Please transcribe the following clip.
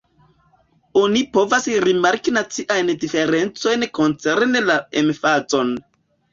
Oni povas rimarki naciajn diferencojn koncerne la emfazon.